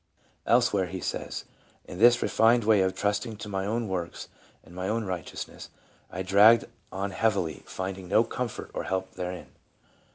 Elsewhere he says, " In this refined way of trusting to my own works and my own righteousness, I dragged on heavily, finding no comfort or help therein."